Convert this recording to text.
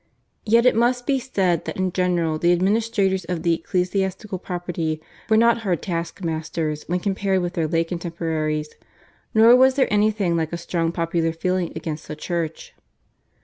Yet it must be said that in general the administrators of the ecclesiastical property were not hard task masters when compared with their lay contemporaries, nor was there anything like a strong popular feeling against the Church.